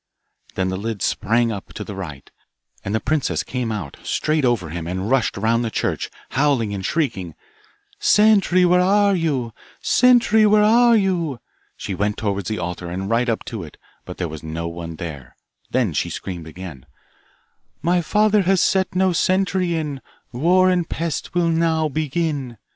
Then the lid sprang up to the right, and the princess came out, straight over him, and rushed round the church, howling and shrieking 'Sentry, where are you? Sentry, where are you?' She went towards the altar, and right up to it, but there was no one there; then she screamed again, My father has set no sentry in, War and Pest will now begin.